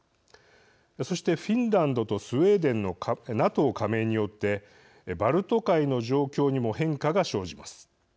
そしてフィンランドとスウェーデンのＮＡＴＯ加盟によってバルト海の状況にも変化が生じます。